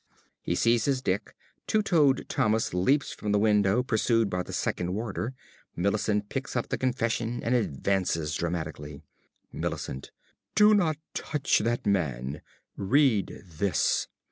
(He seizes Dick. Two toed Thomas leaps from the window, pursued by the second Warder. Millicent picks up the confession and advances dramatically.) ~Millicent.~ Do not touch that man! Read this!